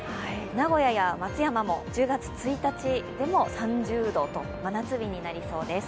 名古屋や松山も１０月１日でも３０度と真夏日になりそうです。